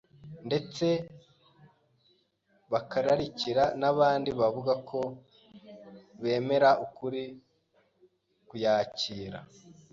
ndetse bakararikira n’abandi bavuga ko bemera ukuri kuyakira.